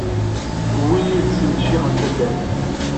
Uwin yid-sen ccix n taddart.